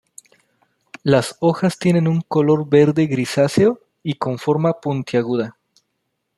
Las hojas tienen un color verde-grisáceo y con forma puntiaguda.